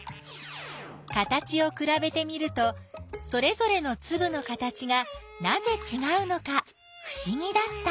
形をくらべてみるとそれぞれのつぶの形がなぜちがうのかふしぎだった。